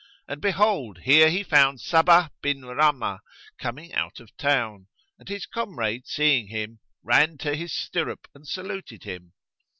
And behold, here he found Sabbah bin Rammah coming out of town; and his comrade seeing him, ran to his stirrup and saluted him.